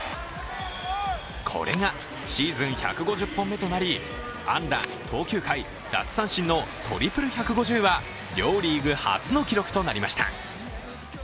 これがシーズン１５０本目となり安打数、投球回、奪三振のトリプル１５０は両リーグ初の記録となりました。